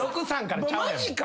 マジか！？